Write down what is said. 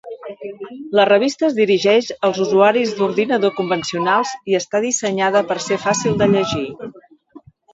La revista es dirigeix als usuaris d'ordinador convencionals i està dissenyada per ser fàcil de llegir.